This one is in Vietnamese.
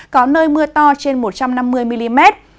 có nơi mưa to trên một trăm năm mươi mm